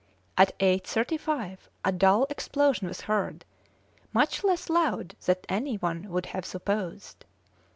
At eight thirty five a dull explosion was heard, much less loud than any one would have supposed.